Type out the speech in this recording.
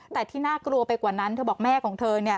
แต่ที่น่ากลัวไปกว่านั้นเธอบอกแม่ของเธอ